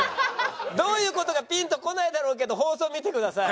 どういう事かピンとこないだろうけど放送見てください。